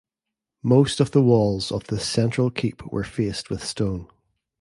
Most of the walls of this central keep were faced with stone.